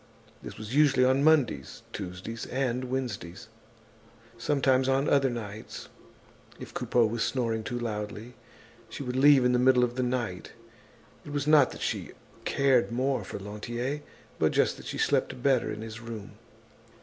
This was usually on Mondays, Tuesdays and Wednesdays. Sometimes on other nights, if Coupeau was snoring too loudly, she would leave in the middle of the night. It was not that she cared more for Lantier, but just that she slept better in his room.